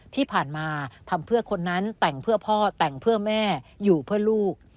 ที่ผ่านมาทำเพื่อคนนั้นแต่งเพื่อพ่อแต่งเพื่อแม่อยู่เพื่อลูก